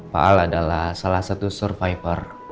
pak al adalah salah satu survivor